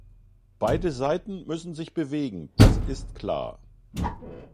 Beide Seiten müssen sich bewegen, das ist klar.